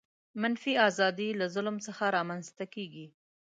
منفي آزادي له ظلم څخه رامنځته کیږي.